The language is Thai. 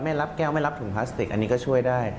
รับแก้วไม่รับถุงพลาสติกอันนี้ก็ช่วยได้